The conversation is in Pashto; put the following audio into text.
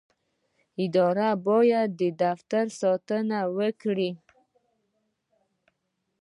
اداره باید د دې دفتر ساتنه وکړي.